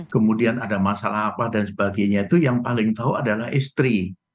kemudian ada masalah apa dan sebagainya itu yang paling tahu adalah istri